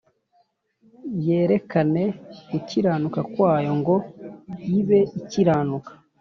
yerekane gukiranuka kwayo ngo ibe Ikiranuka